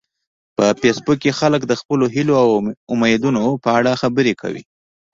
په فېسبوک کې خلک د خپلو هیلو او امیدونو په اړه خبرې کوي